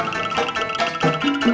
oh bun dimana senang dua eik lu